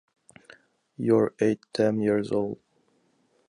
You’re eight damn years old!